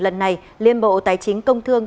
lần này liên bộ tài chính công thương